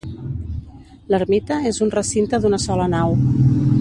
L'ermita és un recinte d'una sola nau.